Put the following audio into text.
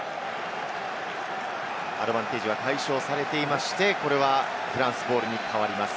アドバンテージが解消されて、フランスボールに変わります。